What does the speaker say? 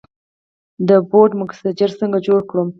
د بورډو مکسچر څنګه جوړ کړم؟